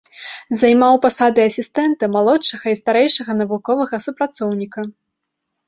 Займаў пасады асістэнта, малодшага і старэйшага навуковага супрацоўніка.